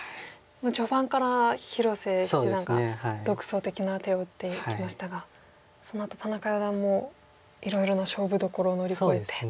序盤から広瀬七段が独創的な手を打っていきましたがそのあと田中四段もいろいろな勝負どころを乗り越えて。